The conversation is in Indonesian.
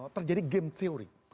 terjadi game theory